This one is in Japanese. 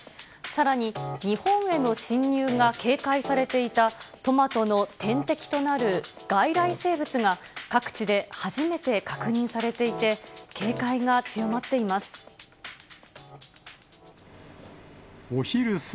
さらに日本への侵入が警戒されていた、トマトの天敵となる外来生物が、各地で初めて確認されていて、警戒が強まっています。